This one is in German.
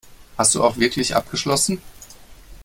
Hast du auch wirklich abgeschlossen?